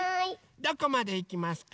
どこまでいきますか？